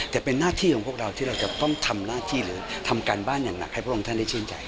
แต่เป็นหน้าที่ของพวกเราที่เราจะต้องทำหน้าที่หรือทำการบ้านอย่างหนักให้พระองค์ท่านได้ชื่นใจ